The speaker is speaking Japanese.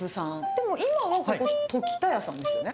でも今は、ここ、時田屋さんですよね？